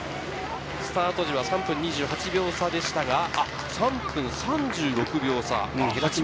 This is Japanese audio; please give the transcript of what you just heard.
スタート時は３分２８秒差でしたが、３分３６秒差。